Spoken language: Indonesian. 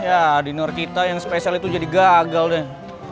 ya di new york kita yang spesial itu jadi gagal deh